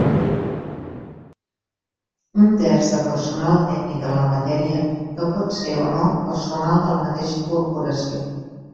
Un terç de personal tècnic en la matèria, que pot ser o no personal de la mateixa corporació.